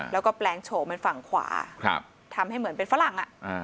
แล้วก็แปลงโฉมเป็นฝั่งขวาทำให้เหมือนเป็นฝรั่ง